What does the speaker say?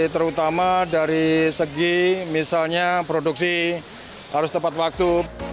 terutama dari segi misalnya produksi harus tepat waktu